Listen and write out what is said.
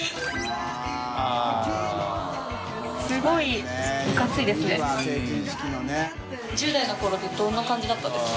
すごいいかついですね。